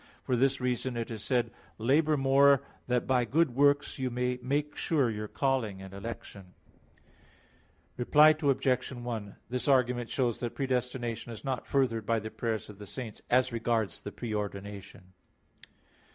For this reason it is said: "Labor more that by good works you may make sure your calling and election" (2 Pet. 1:10). Reply Obj. 1: This argument shows that predestination is not furthered by the prayers of the saints, as regards the preordination.